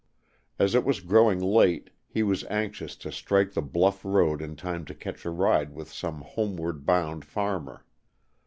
As it was growing late he was anxious to strike the bluff road in time to catch a ride with some homeward bound farmer.